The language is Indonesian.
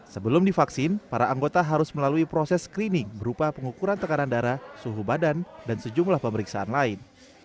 sebelum divaksin para anggota harus melalui proses screening berupa pengukuran tekanan darah suhu badan dan sejumlah pemeriksaan lain